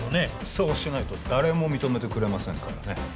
そうしないと誰も認めてくれませんからね